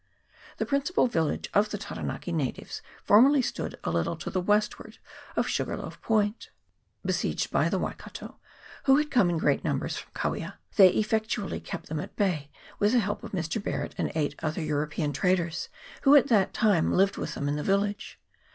The principal village of the Taranaki natives for merly stood a little to the westward of Sugarloaf Point. Besieged by the Waikato, who had come in great numbers from Kawia, they effectually kept CHAP. VII.] MOUNT EGMONT. 139 them at bay, with the help of Mr. Barret and eight other European traders, who at that time lived with them in the village.